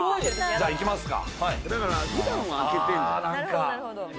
じゃあ行きますか。